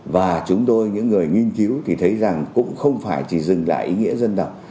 và chúng tôi những người nghiên cứu thì thấy rằng cũng không phải chỉ dừng lại ý nghĩa dân tộc